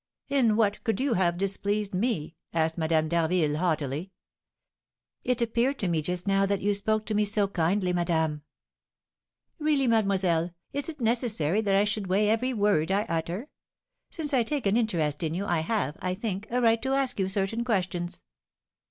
"In what could you have displeased me?" asked Madame d'Harville, haughtily. "It appeared to me just now that you spoke to me so kindly, madame." "Really, mademoiselle, is it necessary that I should weigh every word I utter? Since I take an interest in you, I have, I think, a right to ask you certain questions!"